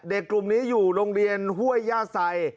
กลุ่มนี้อยู่โรงเรียนห้วยย่าไซ